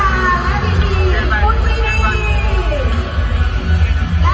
สวัสดีค่ะทำตัวสวัสดีค่ะ